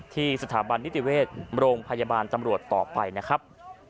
ที่สถาบันนิติเวชโรงพยาบาลตำรวจต่อไปนะครับ